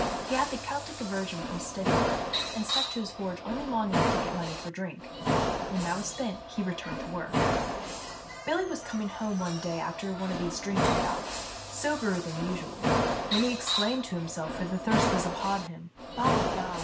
He had the Keltic aversion from steady work, and stuck to his forge only long enough to get money for drink ; when that was spent, he returned to work. Billy was coming home one day after one of these drinking bouts, soberer than usual, when he exclaimed to himself, for the thirst was upon him, " By God